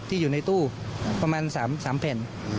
อยู่ในตู้ประมาณ๓แผ่น